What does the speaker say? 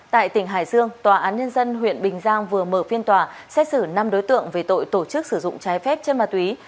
tại tỉnh hải dương tòa án nhân dân huyện bình giang vừa mở phiên tòa xét xử năm đối tượng về tội tổ chức sử dụng trái phép chân ma túy